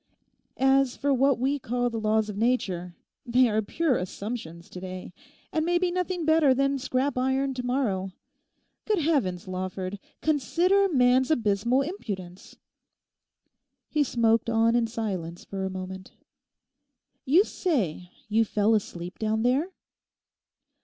As for what we call the laws of Nature, they are pure assumptions to day, and may be nothing better than scrap iron tomorrow. Good Heavens, Lawford, consider man's abysmal impudence.' He smoked on in silence for a moment. 'You say you fell asleep down there?